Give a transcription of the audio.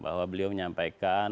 bahwa beliau menyampaikan